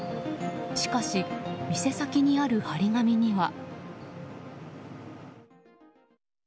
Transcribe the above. しかし、店先にある貼り紙には。